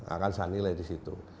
akan senilai disitu